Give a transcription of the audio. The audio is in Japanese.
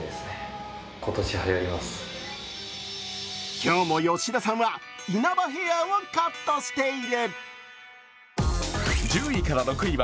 今日も吉田さんは稲葉ヘアをカットしている。